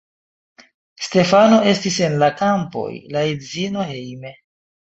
Stefano estis en la kampoj, la edzino hejme.